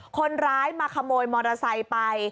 คนร้ายมาขโมยมอเตอร์ไซค์ไป